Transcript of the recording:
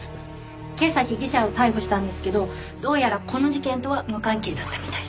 今朝被疑者を逮捕したんですけどどうやらこの事件とは無関係だったみたいで。